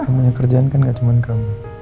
kamu yang kerjaan kan gak cuma kamu